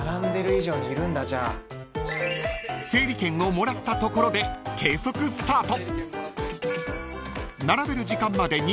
［整理券をもらったところで計測スタート］